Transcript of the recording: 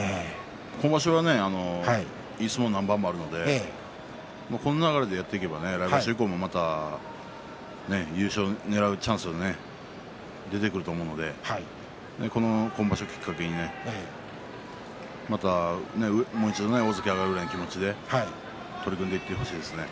今場所はいい相撲が何番もあるのでこの流れでやっていけば来場所以降も優勝をねらうチャンスが出てくると思うので今場所をきっかけにねまたもう一度大関に上がる気持ちで取り組んでいってほしいですね。